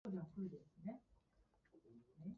そのあと、僕らは火が収まるまで、ずっと丸太の前で座っていた